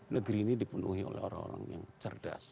negeri ini dipenuhi oleh orang orang yang cerdas